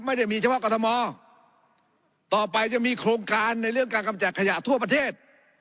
ไม่ได้มีเฉพาะกรทมต่อไปจะมีโครงการในเรื่องการกำจัดขยะทั่วประเทศ